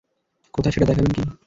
কোথায় সেটা দেখাবেন কী?